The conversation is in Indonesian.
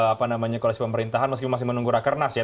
apa namanya koalisi pemerintahan meskipun masih menunggu rakernas ya